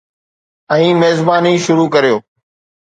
۽ ميزباني شروع ڪريو.